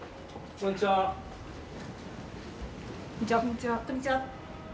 こんにちは。